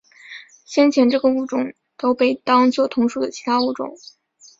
先前这个物种都被当作同属的其他物种。